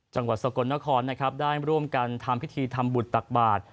จังหวัดสกลนครนะครับได้ร่วมกันทำพิธีทำบุตรตักบาท